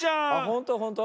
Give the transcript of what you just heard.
ほんとほんと？